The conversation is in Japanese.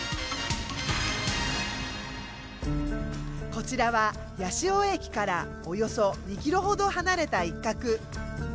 こちらは八潮駅からおよそ２キロほど離れた一画。